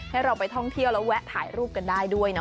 ให้เราไปท่องเที่ยวแล้วแวะถ่ายรูปกันได้ด้วยเนาะ